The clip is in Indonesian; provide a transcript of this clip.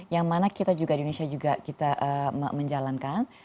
yang mana kita juga di indonesia juga kita menjalankan